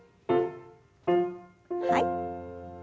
はい。